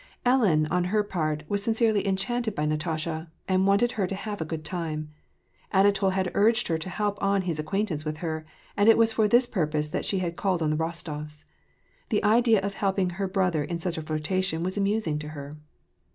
Ellen, on her part, was sincerely enchanted by Natasha, and wanted her to have a good time. Anatol had urged her to help on his acquaintance with her, and it was for this purpose that she called on the Kostofs. The idea of helping her brother in such a flii*tation was amusing to her.